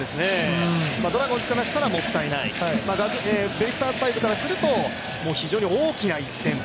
ドラゴンズからしたらもったいないベイスターズサイドからすると非常に大きな１点と。